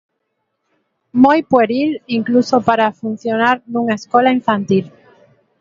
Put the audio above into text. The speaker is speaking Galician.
Moi pueril incluso para funcionar nunha escola infantil.